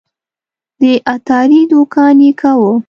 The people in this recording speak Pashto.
د عطاري دوکان یې کاوه.